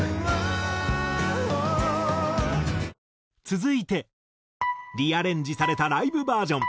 「Ａｈｗｏｗ．．．」続いてリアレンジされたライブバージョン。